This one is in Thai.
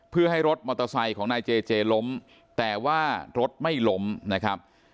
เพื่อให้รถมอเตอร์ไซค์ของนายเจเจล้มแต่ว่ารถไม่ล้มนะครับ